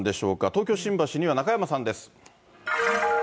東京・新橋には中山さんです。